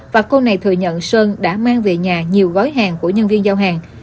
và cô này thừa nhận sơn đã mang về nhà nhiều gói hàng của nhân viên giao hàng